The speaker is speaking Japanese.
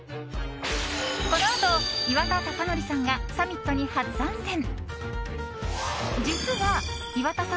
このあと岩田剛典さんがサミットに初参戦。